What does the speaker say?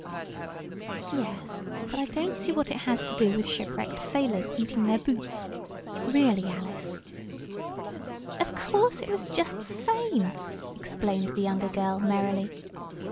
"Yes, but I don't see what it has to do with shipwrecked sailors eating their boots. Really, Alice " "Of course it was just the same," explained the younger girl, merrily.